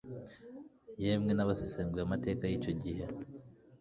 yemwe n'abasesenguye amateka y'icyo gihe